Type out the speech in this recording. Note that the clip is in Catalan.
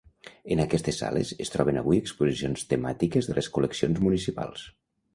En aquestes sales es troben avui exposicions temàtiques de les col·leccions municipals.